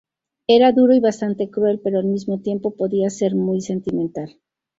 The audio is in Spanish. Era duro y bastante cruel, pero al mismo tiempo podía ser muy sentimental.